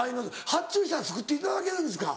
発注したら作っていただけるんですか？